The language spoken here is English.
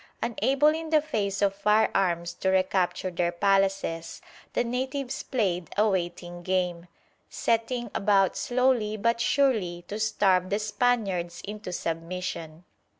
Unable in the face of firearms to recapture their palaces, the natives played a waiting game, setting about slowly but surely to starve the Spaniards into submission.